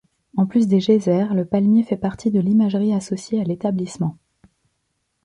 En plus des geysers, le palmier fait partie de l'imagerie associée à l’établissement.